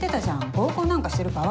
合コンなんかしてる場合？